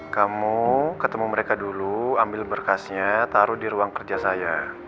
kamu ketemu mereka dulu ambil berkasnya taruh di ruang kerja saya